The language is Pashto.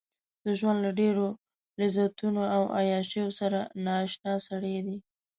د ژوند له ډېرو لذتونو او عياشيو سره نااشنا سړی دی.